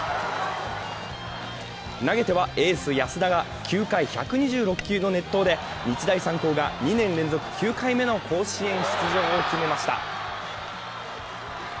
投げてはエース・安田が９回１２６球の熱投で日大三高が２年連続９回目の甲子園出場を決めました。